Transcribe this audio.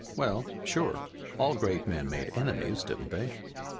Well, sure, all great men made enemies, didn't they?